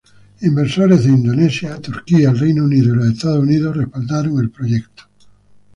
Inversores de Indonesia, Turquía, el Reino Unido y los Estados Unidos respaldaron el proyecto.